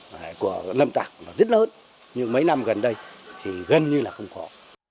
cái việc của nâm tạc rất lớn nhưng mấy năm gần đây thì gần như là không có